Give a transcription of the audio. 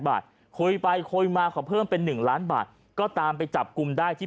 บาทคุยไปคุยมาขอเพิ่มเป็น๑ล้านบาทก็ตามไปจับกลุ่มได้ที่